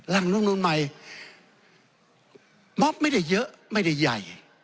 ล่างรัฐมนูลใหม่มอบไม่ได้เยอะไม่ได้ใหญ่